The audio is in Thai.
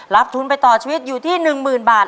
ทุนไปต่อชีวิตอยู่ที่๑๐๐๐บาท